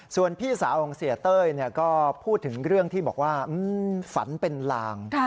ส่วนพี่สาวของเสียเต้ยก็พูดถึงเรื่องที่บอกว่าฝันเป็นลาง